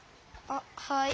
あっはい。